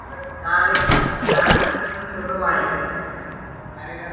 তার একটি ছোট ভাই।